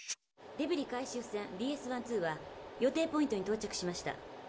デブリ回収船ＤＳ−１２は予定ポイントに到着しました。